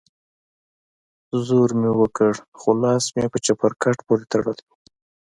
زور مې وکړ خو لاس مې په چپرکټ پورې تړلى و.